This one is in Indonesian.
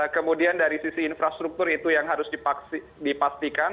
kemudian dari sisi infrastruktur itu yang harus dipastikan